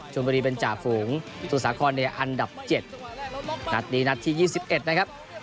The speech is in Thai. ชนบุรีเป็นจากฝูงสมุทรสาครในอันดับเจ็ดนัดนี้นัดที่ยี่สิบเอ็ดนะครับ